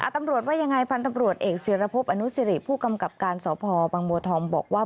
ตำรวจว่ายังไงพันธุ์ตำรวจเอกศิรพบอนุสิริผู้กำกับการสพบังบัวทองบอกว่า